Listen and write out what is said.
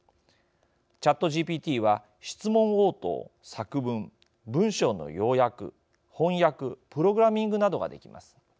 ＣｈａｔＧＰＴは質問応答、作文、文章の要約翻訳、プログラミングなどができます。